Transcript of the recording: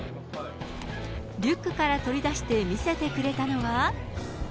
リュックから取り出して見せてくれたのは。